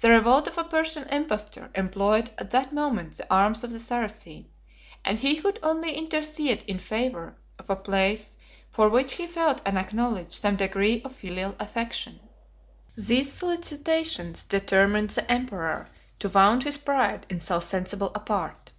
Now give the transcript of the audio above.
The revolt of a Persian impostor employed at that moment the arms of the Saracen, and he could only intercede in favor of a place for which he felt and acknowledged some degree of filial affection. These solicitations determined the emperor to wound his pride in so sensible a part.